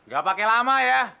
gak pakai lama ya